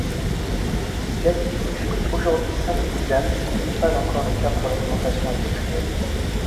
Si l'additif est aujourd'hui synthétisable ce n'est pas encore le cas pour l'alimentation industrielle.